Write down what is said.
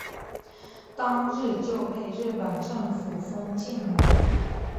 当日就被日本政府封禁了。